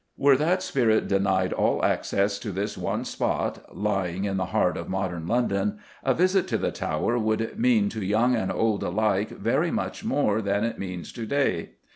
Were that spirit denied all access to this one spot, lying in the heart of modern London, a visit to the Tower would mean to young and old alike very much more than it means to day.